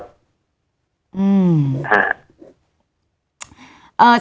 อืม